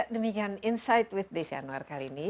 demikian insight with desi anwar kali ini